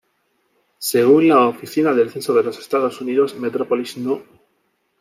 Según la Oficina del Censo de los Estados Unidos, Metropolis No.